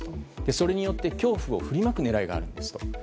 それによって恐怖を振りまく狙いがあるんですと。